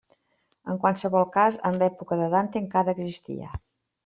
En qualsevol cas, en l'època de Dante encara existia.